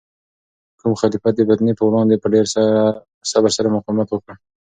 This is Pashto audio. کوم خلیفه د فتنې په وړاندې په ډیر صبر سره مقاومت وکړ؟